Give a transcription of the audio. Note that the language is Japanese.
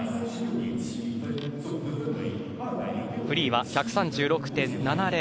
フリーは１３６．７０。